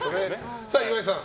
岩井さん。